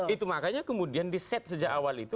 itu makanya kemudian di set sejak awal itu